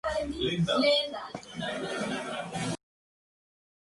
Su cabecera es la ciudad de Cuernavaca.